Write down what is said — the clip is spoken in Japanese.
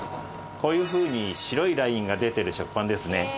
こういうふうに白いラインが出てる食パンですね。